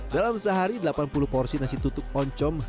dalam sehari delapan puluh porsi nasi tutup oncom